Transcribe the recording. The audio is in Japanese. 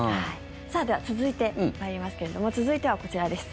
では、続いて参りますけれども続いてはこちらです。